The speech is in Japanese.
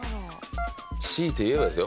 強いて言えばですよ。